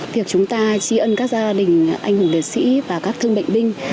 việc chúng ta trí ơn các gia đình anh hùng liệt sĩ và các thương bệnh binh